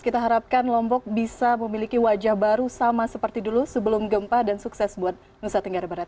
kita harapkan lombok bisa memiliki wajah baru sama seperti dulu sebelum gempa dan sukses buat nusa tenggara barat